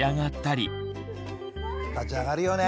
立ち上がるよね！